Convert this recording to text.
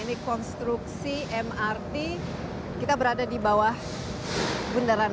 satu train set itu terdiri dari enam kerbong